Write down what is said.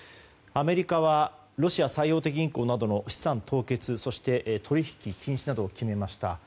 アメリカはロシア最大手銀行などの資産凍結そして取引禁止などを決めました。